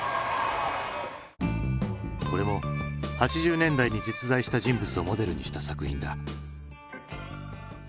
これも８０年代に実在した人物をモデルにした作品だ。